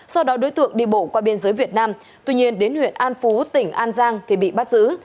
sau đó đối tượng đi bộ qua biên giới việt nam tuy nhiên đến huyện an phú tỉnh an giang thì bị bắt giữ